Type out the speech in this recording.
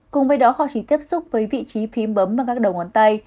cùng với đó họ chỉ tiếp xúc với vị trí phím bấm bằng các đầu ngón tay